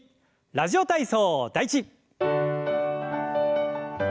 「ラジオ体操第１」。